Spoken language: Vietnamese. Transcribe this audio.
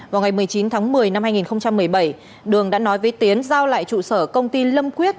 vào ngày một mươi chín tháng một mươi năm hai nghìn một mươi bảy đường đã nói với tiến giao lại trụ sở công ty lâm quyết